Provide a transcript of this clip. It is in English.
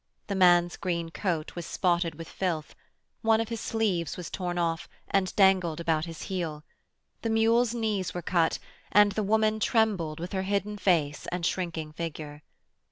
The man's green coat was spotted with filth, one of his sleeves was torn off and dangled about his heel. The mule's knees were cut, and the woman trembled with her hidden face and shrinking figure.